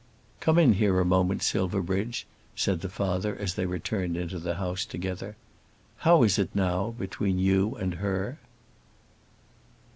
"Come in here a moment, Silverbridge," said the father as they returned into the house together. "How is it now between you and her?"